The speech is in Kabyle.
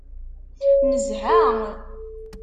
Nezha.